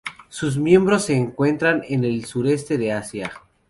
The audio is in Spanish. Sus miembros se encuentran en el sureste de Asia.